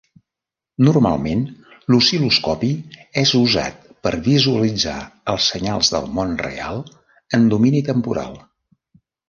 Normalment l'oscil·loscopi és usat per visualitzar els senyals del món real en domini temporal.